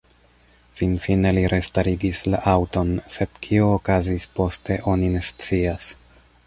Finfine li restarigis la aŭton, sed kio okazis poste oni ne scias.